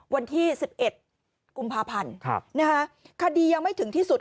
วันที่๑๑กุมภาพันธ์คดียังไม่ถึงที่สุด